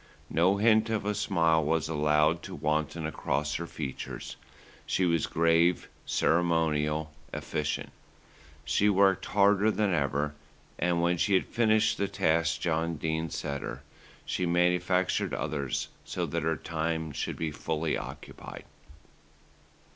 No hint of a smile was allowed to wanton across her features, she was grave, ceremonial, efficient. She worked harder than ever and, when she had finished the tasks John Dene set her, she manufactured others so that her time should be fully occupied.